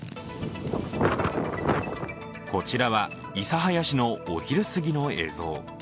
こちらは諫早市のお昼すぎの映像。